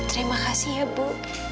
terima kasih ya ibu